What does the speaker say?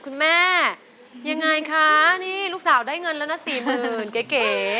คุณแม่ยังไงคะนี่ลูกสาวได้เงินแล้วนะสี่หมื่นเก๋